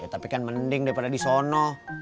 tapi kan mending daripada di sana